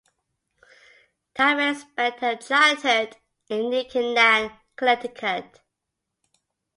Tyrell spent her childhood in New Canaan, Connecticut.